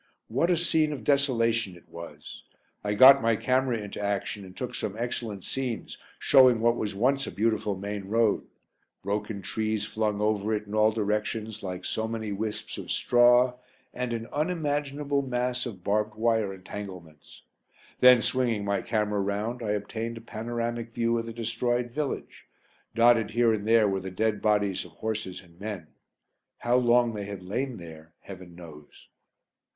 What a scene of desolation it was. I got my camera into action and took some excellent scenes, showing what was once a beautiful main road: broken trees flung over it in all directions like so many wisps of straw, and an unimaginable mass of barbed wire entanglements. Then, swinging my camera round, I obtained a panoramic view of the destroyed village. Dotted here and there were the dead bodies of horses and men: how long they had lain there Heaven knows!